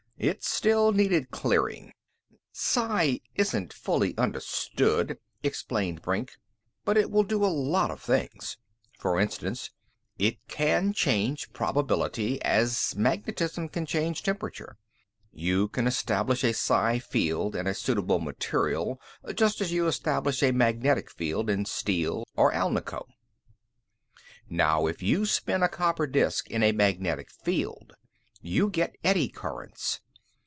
It still needed clearing. "Psi still isn't fully understood," explained Brink, "but it will do a lot of things. For instance, it can change probability as magnetism can change temperature. You can establish a psi field in a suitable material, just as you can establish a magnetic field in steel or alnico. Now, if you spin a copper disk in a magnetic field, you get eddy currents.